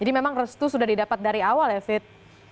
jadi memang restu sudah didapat dari awal ya fit